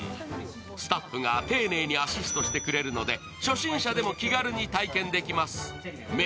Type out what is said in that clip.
スタッフが丁寧にアシストしてくれるので初心者でも気軽に体験できます。